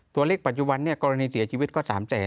ตัวเลขปัจจุบันกรณีเสียชีวิตก็๓แสน